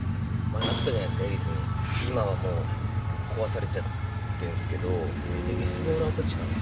今はもう壊されちゃってんすけどエビスボウル跡地かな？